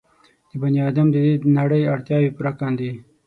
د بني ادم د دې نړۍ اړتیاوې پوره کاندي.